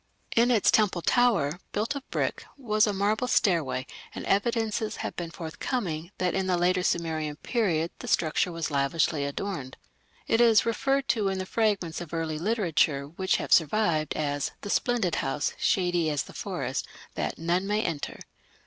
In its temple tower, built of brick, was a marble stairway, and evidences have been forthcoming that in the later Sumerian period the structure was lavishly adorned. It is referred to in the fragments of early literature which have survived as "the splendid house, shady as the forest", that "none may enter".